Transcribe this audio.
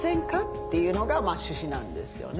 っていうのが趣旨なんですよね。